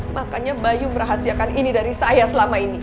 makanya bayu merahasiakan ini dari saya selama ini